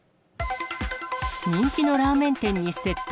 人気のラーメン店に窃盗。